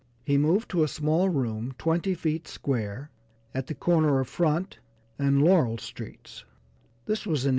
He moved to a small room twenty feet square, at the corner of Front and Laurel streets; this was in 1846.